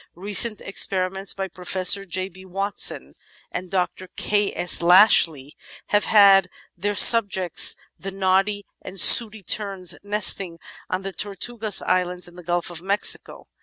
Recent experiments by Pro fessor J. B. Watson and Dr. K. S. Lashley have had as their sub jects the Noddy and Sooty Terns nesting on the Tortugas Islands in the Gulf of Mexico.